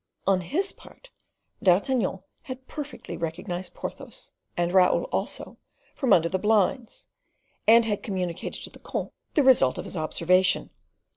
On his part D'Artagnan had perfectly recognized Porthos, and Raoul also, from under the blinds, and had communicated to the comte the result of his observation.